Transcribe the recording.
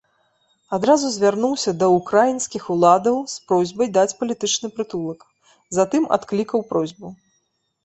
Адразу звярнуўся да ўкраінскіх уладаў з просьбай даць палітычны прытулак, затым адклікаў просьбу.